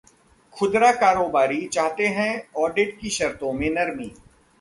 खुदरा कारोबारी चाहते हैं ऑडिट की शर्तों में नरमी